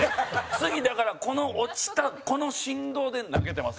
次、だから、この落ちたこの振動で投げてます。